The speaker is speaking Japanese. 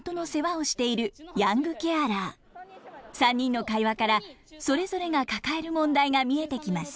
３人の会話からそれぞれが抱える問題が見えてきます。